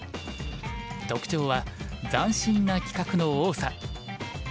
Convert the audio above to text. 特徴は斬新な企画の多さ。